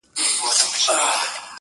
o ددغه خلگو په كار، كار مه لره.